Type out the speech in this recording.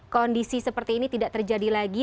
kondisi seperti ini tidak terjadi lagi